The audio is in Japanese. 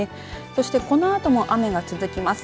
そしてこのあとも雨が続きます。